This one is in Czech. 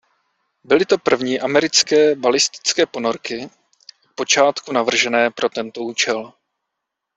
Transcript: Byly to první americké balistické ponorky od počátku navržené pro tento účel.